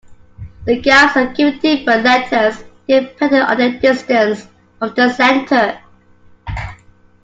The gaps are given different letters depending on their distance from the center.